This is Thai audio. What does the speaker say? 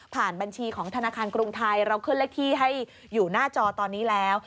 บัญชีของธนาคารกรุงไทยเราขึ้นเลขที่ให้อยู่หน้าจอตอนนี้แล้ว